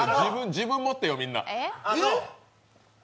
自分を持ってよ、みんな。